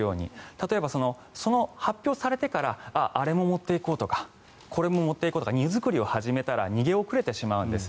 例えば発表されてからあれも持っていこうとかこれも持っていこうとか荷造りを始めたら逃げ遅れてしまうんです。